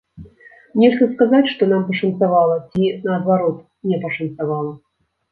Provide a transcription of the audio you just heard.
Нельга сказаць, што нам пашанцавала ці, наадварот, не пашанцавала.